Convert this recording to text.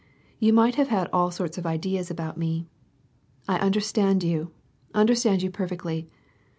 You might have had all sorts of ideas about me. I understand you, under stand you perfectly.